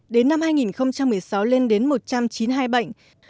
đến năm hai nghìn một mươi sáu lên đến một trăm chín mươi hai bệnh